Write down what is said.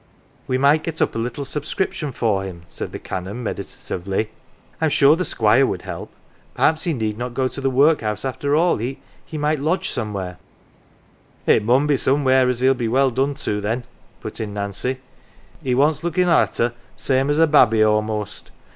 "We might get up a little subscription for him," said the Canon meditatively. " I'm sure the Squire would help perhaps he need not go to the workhouse after all he might lodge somewhere "" It mun be somewheer as he'll be well done to, then," put in Nancy. " He wants look in' arter same as a babby a'most.